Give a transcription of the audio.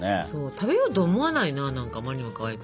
食べようと思わないな何かあまりにもかわいくて。